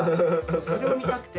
それを見たくて。